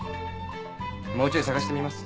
もうちょい探してみます。